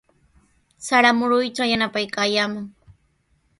Sara muruytraw yanapaykallamay.